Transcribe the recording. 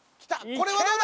これはどうだ？